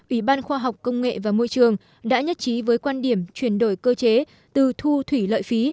ủy ban khoa học công nghệ và môi trường đã nhất trí với quan điểm chuyển đổi cơ chế từ thu thủy lợi phí